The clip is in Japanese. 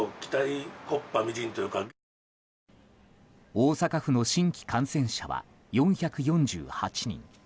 大阪府の新規感染者は４４８人。